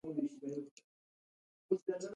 ځپلي خلک عوامي کلتور ته مخه کوي.